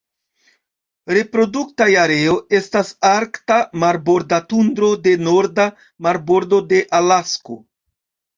Reproduktaj areoj estas Arkta marborda tundro de norda marbordo de Alasko.